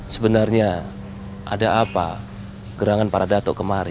sebenarnya ada apa gerangan para datuk kemari